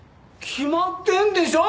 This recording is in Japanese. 決まってんでしょ。